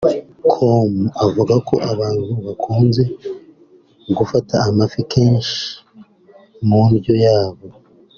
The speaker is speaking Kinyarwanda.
com avuga ko abantu bakunze gufata amafi kenshi mu ndyo yabo